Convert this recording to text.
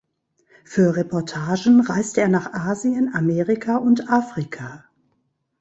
Für Reportagen reiste er nach Asien, Amerika und Afrika.